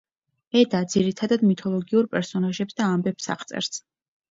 ედა ძირითადად მითოლოგიურ პერსონაჟებს და ამბებს აღწერს.